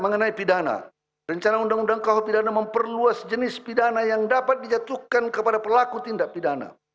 mengenai pidana rencana undang undang kaupidana memperluas jenis pidana yang dapat dijatuhkan kepada pelaku tindak pidana